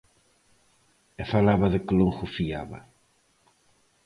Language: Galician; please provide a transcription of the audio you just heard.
E falaba de que longo o fiaba.